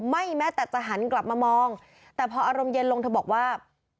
แม้แต่จะหันกลับมามองแต่พออารมณ์เย็นลงเธอบอกว่า